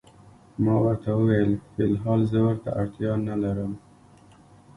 ما ورته وویل: فی الحال زه ورته اړتیا نه لرم.